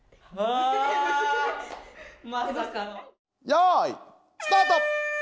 よいスタート！